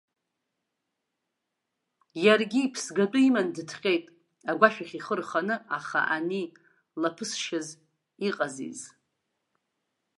Иаргьы иԥсгатәы иман дыҭҟьеит, агәашәахь ихы рханы, аха ани лаԥысшьаз иҟазиз.